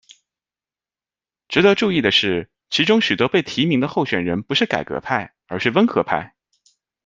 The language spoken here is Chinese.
值得注意的是，其中许多被提名的候选人不是改革派，而是温和派。